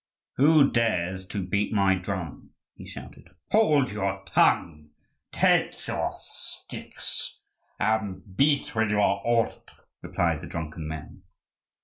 "Who dares to beat the drum?" he shouted. "Hold your tongue! take your sticks, and beat when you are ordered!" replied the drunken men.